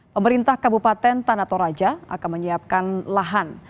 pemerintah kabupaten tanatoraja akan menyiapkan lahan